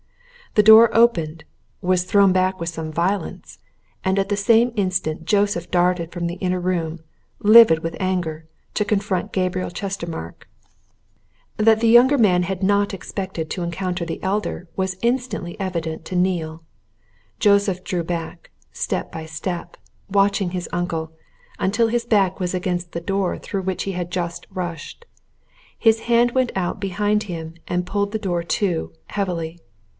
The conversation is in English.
The door opened was thrown back with some violence and at the same instant Joseph darted from the inner room, livid with anger, to confront Gabriel Chestermarke. That the younger man had not expected to encounter the elder was instantly evident to Neale. Joseph drew back, step by step, watching his uncle, until his back was against the door through which he had just rushed. His hand went out behind him and pulled the door to, heavily.